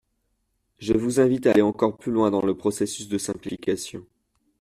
Je vous invite à aller encore plus loin dans le processus de simplification.